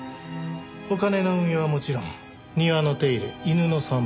お金の運用はもちろん庭の手入れ犬の散歩